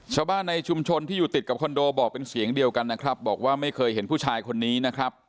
ชาวบ้านในชุมชนที่อยู่ติดกับคอนโดบอกเป็นเสียงเดียวกันนะครับบอกว่าไม่เคยเห็นผู้ชายคนนี้นะครับ